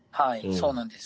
そうなんです。